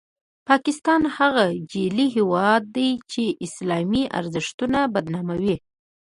پاکستان هغه جعلي هیواد دی چې اسلامي ارزښتونه بدناموي.